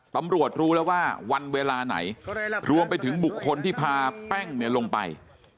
รู้แล้วว่าวันเวลาไหนรวมไปถึงบุคคลที่พาแป้งเนี่ยลงไป